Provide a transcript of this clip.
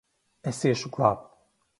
Es iešu glābt!